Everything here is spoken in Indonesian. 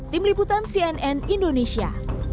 tim liputan cnn indonesia